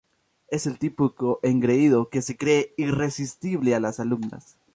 Es el típico engreído que se cree irresistible a sus alumnas.